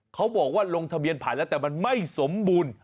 เขาบอกว่าลงทะเบียนผ่านแล้วแต่มันไม่สมบูรณ์